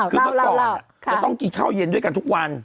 คือเมื่อก่อนจะต้องกินข้าวเย็นด้วยกันทุกวัน